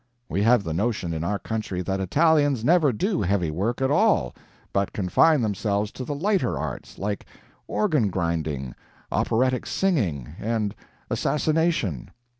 We have the notion in our country that Italians never do heavy work at all, but confine themselves to the lighter arts, like organ grinding, operatic singing, and assassination.